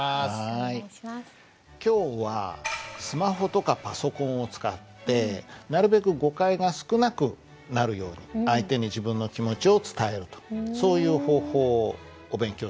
今日はスマホとかパソコンを使ってなるべく誤解が少なくなるように相手に自分の気持ちを伝えるとそういう方法をお勉強したいと思いますけど。